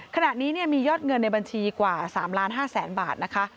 ขณะนี้มียอดเงินในบัญชีกว่า๓๕๐๐๐๐บาทนะคะ